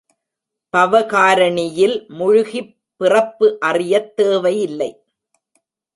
பவகாரணியில் முழுகிப் பிறப்பு அறியத் தேவை இல்லை.